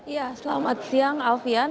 ya selamat siang alfian